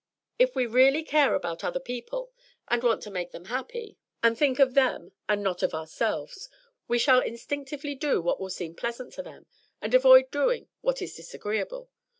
If we really care about other people, and want to make them happy, and think of them and not of ourselves, we shall instinctively do what will seem pleasant to them, and avoid doing what is disagreeable.